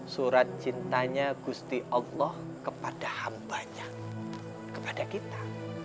surat cintanya gusti allah kepada hambanya kepada kita